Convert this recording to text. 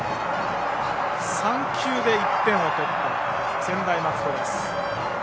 ３球で１点を取った専大松戸です。